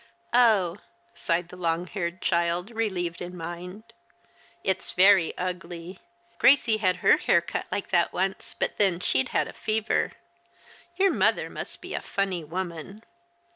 " Oh," sighed the long haired child, relieved in mind. " It's very ugly. Gracie had her hair like that once, but then she'd had a fever. Your muther must be a funny woman."